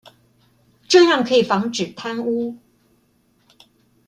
這樣可以防止貪污